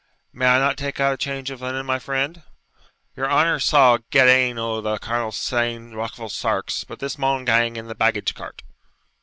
'May I not take out a change of linen, my friend?' 'Your honour sall get ane o' the Colonel's ain ruffled sarks, but this maun gang in the baggage cart.'